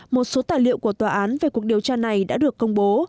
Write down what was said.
một số tài liệu của tòa án về cuộc điều tra này đã được công bố